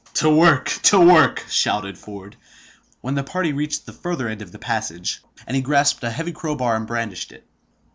"To work! to work!" shouted Ford, when the party reached the further end of the passage; and he grasped a heavy crowbar and brandished it.